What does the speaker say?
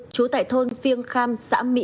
chú tại thôn phiêng kham xã mỹ